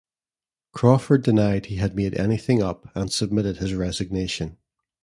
Crawford denied he had made anything up and submitted his resignation.